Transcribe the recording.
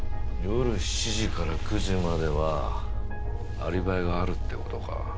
夜７時から９時まではアリバイがあるって事か。